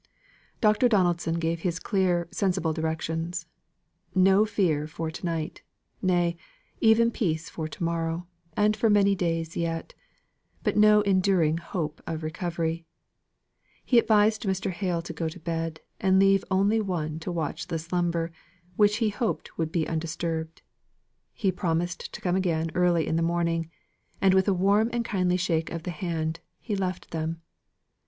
Dr. Donaldson gave his clear, sensible directions. No fear for to night nay, even peace for to morrow, and for many days yet. But no enduring hope of recovery. He advised Mr. Hale to go to bed, and leave only one to watch the slumber, which he hoped would be undisturbed. He promised to come again early in the morning. And, with a warm and kindly shake of the hand, he left them.